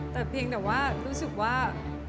แต่เพียงแต่ว่ารู้สึกว่า